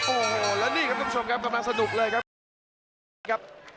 โอ้โหแล้วนี่ครับทุกผู้ชมครับกำลังสนุกเลยครับ